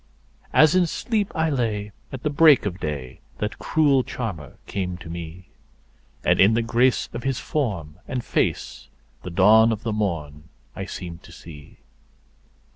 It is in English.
As in sleep I lay at the break of day that cruel charmer came to me, And in the grace of his form and face the dawn of the morn I seemed to see.